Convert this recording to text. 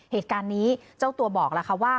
เหตุการณ์นี้เจ้าตัวบอกแล้วค่ะว่า